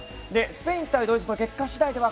スペイン対ドイツの結果によっては